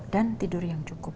dan tidur yang cukup